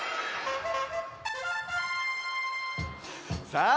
さあ